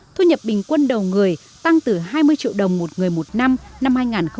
thu nhập bình quân đầu người tăng từ hai mươi triệu đồng một người một năm năm hai nghìn một mươi